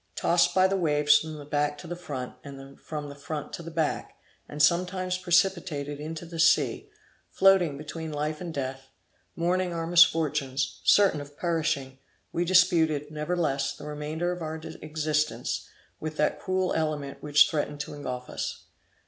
Tossed by the waves from the back to the front, and from the front to the back, and sometimes precipitated into the sea; floating between life and death, mourning our misfortunes, certain of perishing; we disputed, nevertheless, the remainder of our existence, with that cruel element which threatened to engulf us.